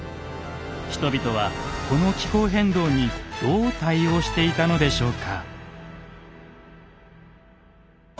人々はこの気候変動にどう対応していたのでしょうか？